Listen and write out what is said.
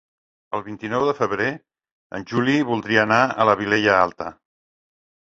El vint-i-nou de febrer en Juli voldria anar a la Vilella Alta.